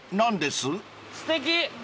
すてき！